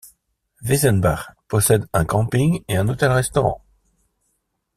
Wiesenbach possède un camping et un hôtel restaurant.